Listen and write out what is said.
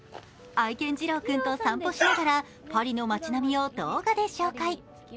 愛犬・次郎君と散歩しながらパリの町並みを動画で紹介。